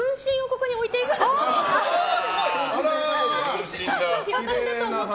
これを私だと思って。